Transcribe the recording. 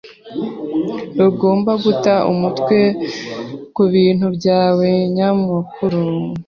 Ntugomba guta umutwe kubintu byawe nyamukuru.